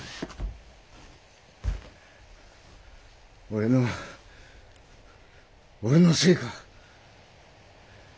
俺の俺のせいか？